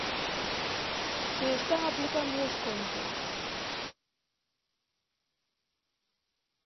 Se están aplicando descontos?